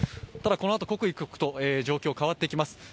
ただ、このあと刻一刻と状況が変わっていきます。